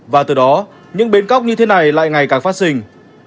và từ đó những bến cóc như thế này lại ngày càng phát sinh